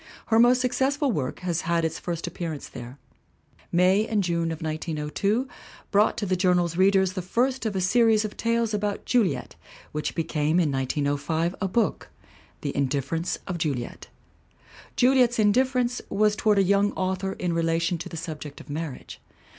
Her most successful work has had its first appearance there. May and June of 1902 brought to the Journal's readers the first of a series of tales about Juliet which became, in 1905, a book, The Indifference of Juliet. Juliet's indifference was toward a young author in relation to the subject of marriage.